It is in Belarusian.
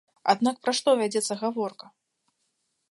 Аднак пра што вядзецца гаворка?